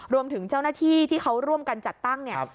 รวมถึงเจ้าหน้าที่ที่เขาร่วมกันจัดตั้งเนี่ย